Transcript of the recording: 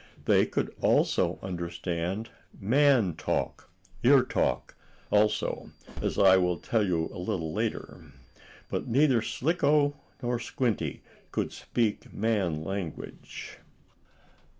They could also understand man talk, your talk, also, as I will tell you a little later. But neither Slicko nor Squinty could speak man language.